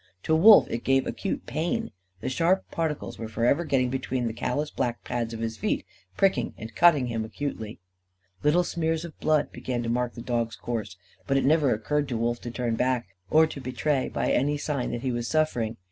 To Wolf it gave acute pain. The sharp particles were forever getting between the callous black pads of his feet, pricking and cutting him acutely. Little smears of blood began to mark the dog's course; but it never occurred to Wolf to turn back, or to betray by any sign that he was suffering.